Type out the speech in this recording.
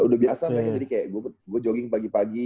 udah biasa mereka tadi kayak gua jogging pagi pagi